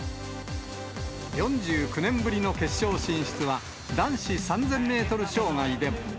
４９年ぶりの決勝進出は、男子３０００メートル障害でも。